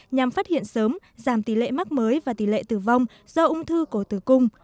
nhằm phát hiện sớm giảm tỷ lệ mắc mới và tỷ lệ tử vong do ung thư cổ tử cung